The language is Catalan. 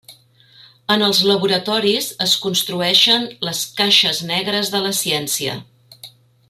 En els laboratoris es construeixen les caixes negres de la ciència.